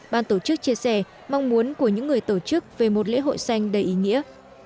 ban tổ chức chia sẻ mong muốn của những người tổ chức về một lễ hội xanh đầy ý nghĩa